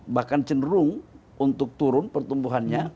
bahkan cenderung untuk turun pertumbuhannya